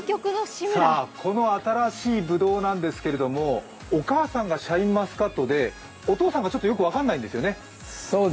この新しいぶどうなんですけれどもお母さんがシャインマスカットでお父さんがちょっとよく分からないんですよね。